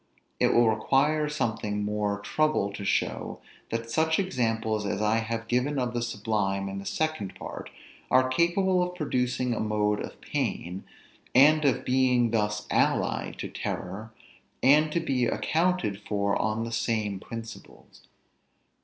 It will require something more trouble to show, that such examples as I have given of the sublime in the second part are capable of producing a mode of pain, and of being thus allied to terror, and to be accounted for on the same principles.